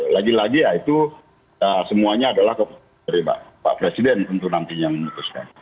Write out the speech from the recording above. lagi lagi ya itu semuanya adalah keputusan dari pak presiden untuk nantinya memutuskan